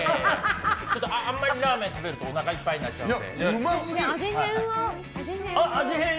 あんまりラーメン食べるとおなかいっぱいになっちゃうので。